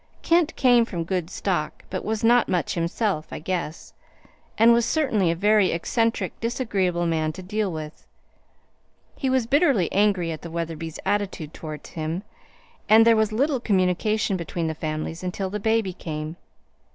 Kent came from good stock, but was not much himself, I guess, and was certainly a very eccentric, disagreeable man to deal with. He was bitterly angry at the Wetherbys' attitude toward him, and there was little communication between the families until the baby came.